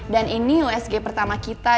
dan ini usg pertama kita